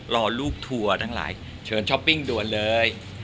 รอลูกทัวร์ทั้งหลายเชิญช้อปปิ้งด่วนเลย